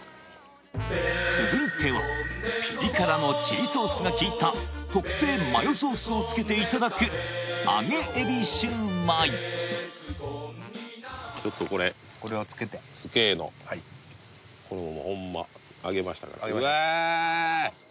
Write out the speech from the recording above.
続いてはピリ辛のチリソースが効いた特製マヨソースをつけていただく揚げエビシューマイちょっとこれこれをつけてつけのこれもホンマ揚げましたからうわ！